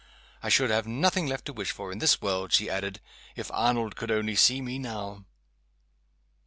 I should have nothing left to wish for in this world," she added, "if Arnold could only see me now!"